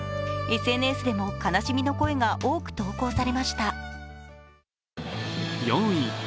ＳＮＳでも悲しみの声が多く投稿されました。